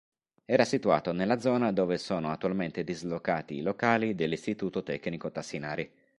Era situato nella zona dove sono attualmente dislocati i locali dell'istituto tecnico Tassinari.